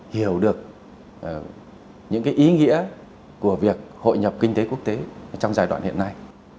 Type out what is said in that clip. hiểu được những ý nghĩa của việc hội nhập kinh tế quốc tế trong giai đoạn hiện nay